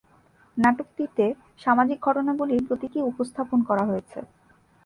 নাটকটিতে সামাজিক ঘটনাগুলির প্রতীকী উপস্থাপনা করা হয়েছে।